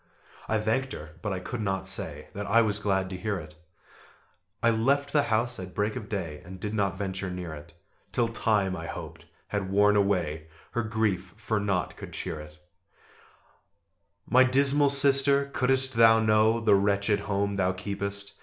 I thanked her, but I could not say That I was glad to hear it: I left the house at break of day, And did not venture near it Till time, I hoped, had worn away Her grief, for nought could cheer it! [Illustration: "AT NIGHT SHE SIGHED"] My dismal sister! Couldst thou know The wretched home thou keepest!